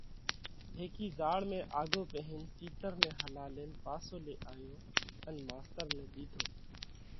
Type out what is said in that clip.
هيڪي زاۯ ۾ آگهو پيهين تِيتر نئہ هلالينَ پاسو لي آيو ان ماستر نئہ ۮِيڌو۔